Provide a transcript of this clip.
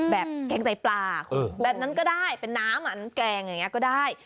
แกงไตปลาแบบนั้นก็ได้เป็นน้ำอันแกงอย่างนี้ก็ได้